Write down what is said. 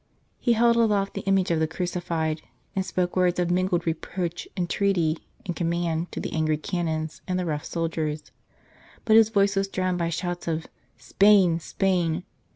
He held aloft the image of the Crucified, and spoke words of mingled reproach, entreaty and command to the angry Canons and the rough soldiers, but his voice was drowned by shouts of " Spain ! Spain